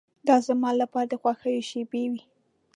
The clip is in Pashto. دا زما لپاره د خوښیو شېبې وې.